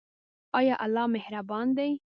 آیا الله مهربان دی؟